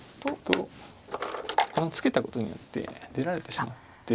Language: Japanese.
このツケたことによって出られてしまって。